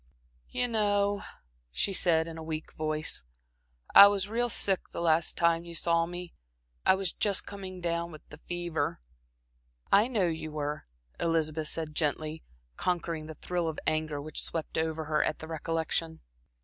"You know," she said, in her weak voice "I was real sick that last time you saw me. I was just coming down with the fever." "I know you were," Elizabeth said gently, conquering the thrill of anger which swept over her at the recollection.